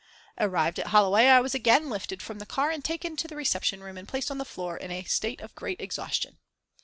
Arrived at Holloway I was again lifted from the car and taken to the reception room and placed on the floor in a state of great exhaustion.